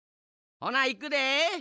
ほないくで。